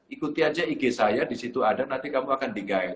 ikuti aja ig saya disitu ada nanti kamu akan di guide